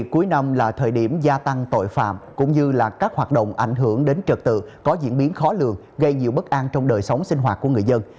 cuối năm là thời điểm gia tăng tội phạm cũng như các hoạt động ảnh hưởng đến trật tự có diễn biến khó lường gây nhiều bất an trong đời sống sinh hoạt của người dân